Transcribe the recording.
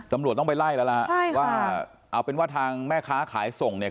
ตำรวจต้องไปไล่แล้วล่ะฮะใช่ว่าเอาเป็นว่าทางแม่ค้าขายส่งเนี่ย